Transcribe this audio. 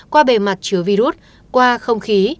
qua bề mặt chứa virus qua không khí